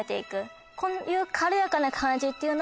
こういう。